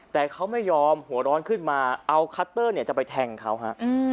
แต่เขาไม่ยอมหัวร้อนขึ้นมาเอาคัตเตอร์เนี่ยจะไปแทงเขาฮะ